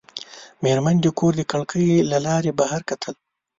مېرمن د کور د کړکۍ له لارې بهر کتل.